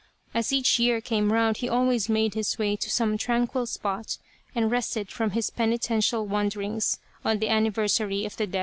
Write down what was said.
As each year came round he always made his way to some tranquil spot and rested from his penitential wanderings on the anniversary of the death of Tama.